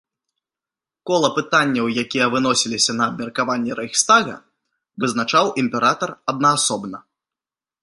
Кола пытанняў, якія выносіліся на абмеркаванне рэйхстага, вызначаў імператар аднаасобна.